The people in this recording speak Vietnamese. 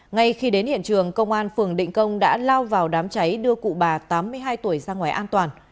ngay khi đến hiện trường công an phường định công đã lao vào đám cháy đưa cụ bà tám mươi hai tuổi ra ngoài an toàn